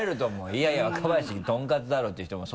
「いやいや若林とんかつだろ」っていう人もそれは。